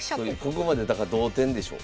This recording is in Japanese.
ここまでだから同点でしょ？